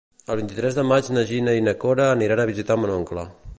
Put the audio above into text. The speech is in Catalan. El vint-i-tres de maig na Gina i na Cora aniran a visitar mon oncle.